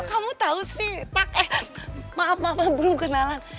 kamu tau sih tak eh maaf maaf belum kenalan